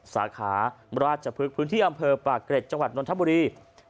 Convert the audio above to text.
สาขาราชพฤกษ์พื้นที่อำเภอปากเกร็ดจังหวัดนทบุรี